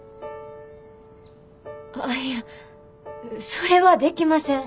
ああいやそれはできません。